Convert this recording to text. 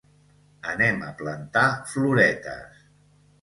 Anem a plantar floretes.